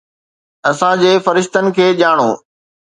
اسان جي فرشتن کي ڄاڻو.